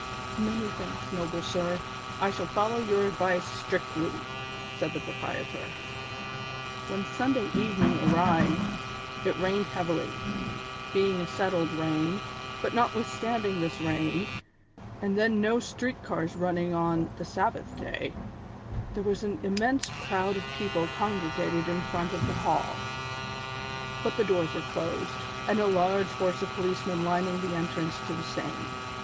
'' ]\Iany thanks, noble sir ; I shall follow your advice strictly," said the proprietor. When Sunday evening arrived it rained heavily, being a settled rain, but notwithstanding this rain, and then no streetcars runnmg on the "Sabbath Day," there was an immense crowd of peojile congregated in front of the liall ; but tlie doors wei e closed, and a large force of police men lining the entrance to the same.